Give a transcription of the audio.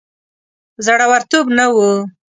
زړه ورتوب نه وو.